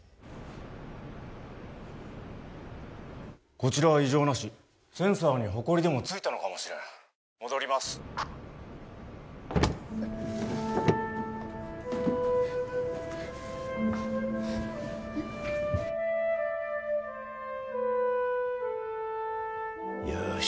こちらは異常なしセンサーにホコリでも付いたのかもしれん戻りますよーし